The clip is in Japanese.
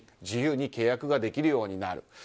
自由に契約ができるようになる。